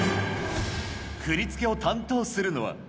振り付けを担当するのは。